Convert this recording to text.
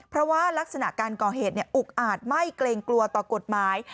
เพราะว่ารักษณะการก่อเหตุอุกอาจไม่เกรงกลัวต่อกฎหมาย